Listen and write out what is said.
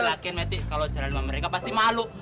elakin meti kalau jalan sama mereka pasti malu